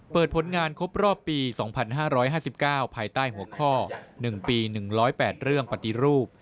ผลงานครบรอบปี๒๕๕๙ภายใต้หัวข้อ๑ปี๑๐๘เรื่องปฏิรูป